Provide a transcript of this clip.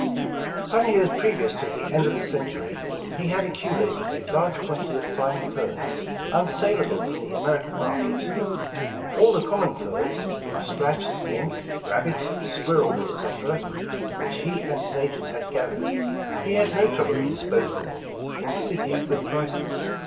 Some years previous to the end of the century, he had accumulated a large quantity of fine furs, unsalable in the American market. All the common furs, muskrat, mink, rabbit, squirrel, etc., which he and his agents had gathered, he had no trouble in disposing of in the city at good prices.